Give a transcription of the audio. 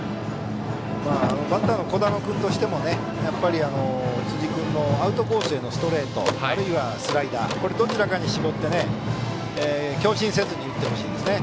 バッターの樹神君としても辻君のアウトコースへのストレートあるいはスライダーどちらかに絞って強振せずに打ってほしいですね。